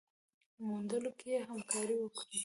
موندلو کي يې همکاري وکړئ